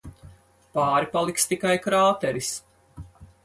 Pāri paliks tikai krāteris.